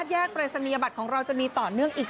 เยอะจริง